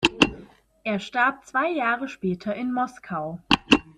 Er starb zwei Jahre später in Moskau.